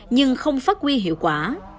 nhưng không phát quy hiệu quả